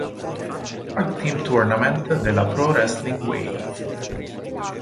Tag Team Tournament della Pro Wrestling Wave.